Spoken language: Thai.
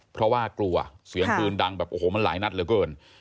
เพราะว่ากลัวเสียงปืนดังแบบโอ้โหมันหลายนัดเหลือเกิน